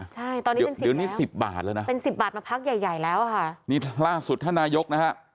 ใช่ตอนนี้เป็น๑๐แล้วเป็น๑๐บาทมาพักใหญ่แล้วค่ะนี่ล่าสุดท่านนายกนะฮะ